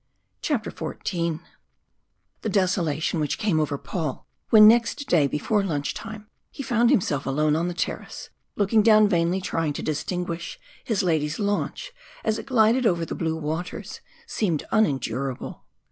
CHAPTER XIV The desolation which came over Paul when next day before lunch time he found himself alone on the terrace, looking down vainly trying to distinguish his lady's launch as it glided over the blue waters, seemed unendurable.